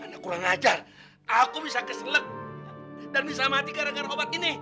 anda kurang ajar aku bisa keselek dan bisa mati gara gara obat ini